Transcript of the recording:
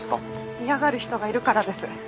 嫌がる人がいるからです。